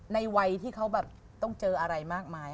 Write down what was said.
ในวัยที่เขาแบบต้องเจออะไรมากมาย